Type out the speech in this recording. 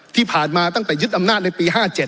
ที่ผ่านมาตั้งแต่ยึดอำนาจในปี๕๗